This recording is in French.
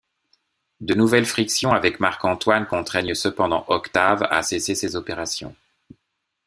De nouvelles frictions avec Marc Antoine contraignent cependant Octave à cesser ses opérations.